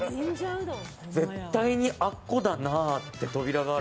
絶対にあそこだなっていう扉がある。